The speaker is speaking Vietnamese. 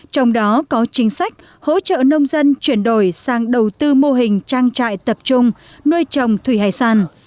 trong đó có chính sách hỗ trợ nông dân chuyển đổi sang đầu tư mô hình trang trại tập trung nuôi trồng thủy hải sản